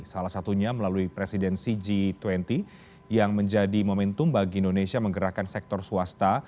salah satunya melalui presidensi g dua puluh yang menjadi momentum bagi indonesia menggerakkan sektor swasta